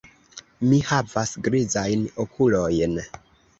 Mi havas grizajn okulojn.